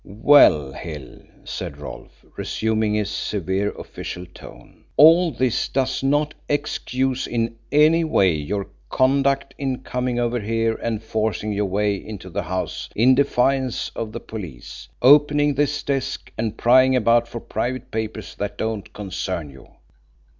"Well, Hill," said Rolfe, resuming his severe official tone; "all this does not excuse in any way your conduct in coming over here and forcing your way into the house in defiance of the police; opening this desk, and prying about for private papers that don't concern you.